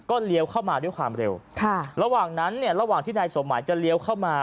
ก็เลี้ยวเข้ามาด้วยความเร็วระหว่างที่นายสมหมายจะเลี้ยวเข้ามา